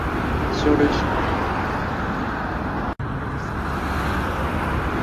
Sur le critérium de la troisième étape, elle est cinquième.